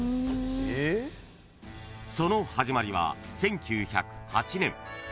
［その始まりは１９０８年］